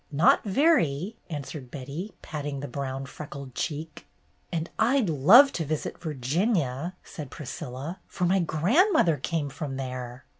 "Not very," answered Betty, patting the brown freckled cheek. "And I 'd love to visit Virginia," said Pris cilla, "for my grandmother came from there."